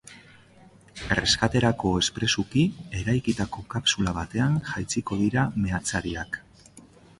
Erreskaterako espresuki eraikitako kapsula batean jaitsiko dira meatzariak.